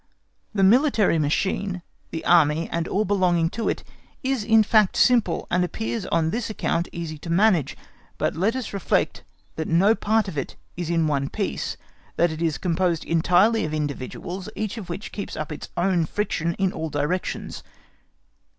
The military machine, the Army and all belonging to it, is in fact simple, and appears on this account easy to manage. But let us reflect that no part of it is in one piece, that it is composed entirely of individuals, each of which keeps up its own friction in all directions.